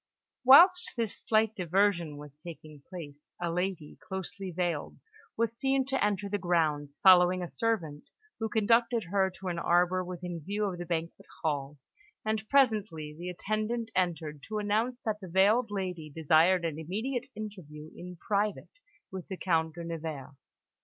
Whilst this slight diversion was taking place, a lady, closely veiled, was seen to enter the grounds, following a servant, who conducted her to an arbour within view of the banquet hall; and presently the attendant entered to announce that the veiled lady desired an immediate interview in private with the Count de Nevers.